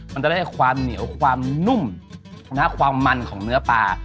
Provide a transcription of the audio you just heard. มันจะได้ความเหนียวความนุ่มความมันของเนื้อปลา